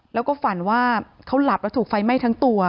แล้วก็ฝันว่าเขาหลับแล้วถูกไฟไหม้ทั้งตัว